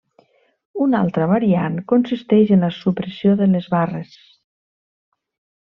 Una altra variant consisteix en la supressió de les barres.